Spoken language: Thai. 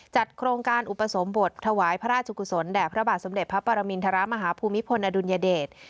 โครงการอุปสมบทถวายพระราชกุศลแด่พระบาทสมเด็จพระปรมินทรมาฮภูมิพลอดุลยเดช